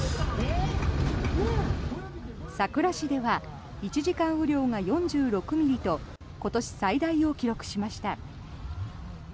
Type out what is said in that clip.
佐倉市では１時間雨量が４６ミリと今年最大を記録しました。